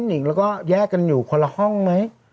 นิงแล้วก็แยกกันอยู่คนละห้องไหม